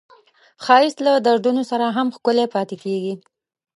ښایست له دردونو سره هم ښکلی پاتې کېږي